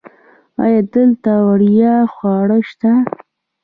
ایا دلته وړیا خواړه شته؟